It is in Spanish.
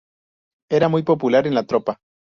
Era muy popular en la tropa.